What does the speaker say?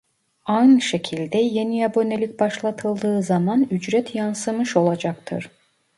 Aynı şekilde yeni abonelik başlatıldığı zaman ücret yansımış olacaktır